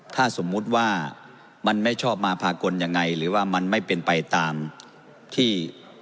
ถ้าสมมุติว่ามันไม่ชอบมาพากลยังไงหรือว่ามันไม่เป็นไปตามที่